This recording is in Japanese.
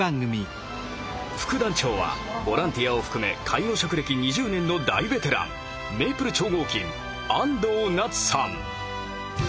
副団長はボランティアを含め介護職歴２０年の大ベテランメイプル超合金安藤なつさん」。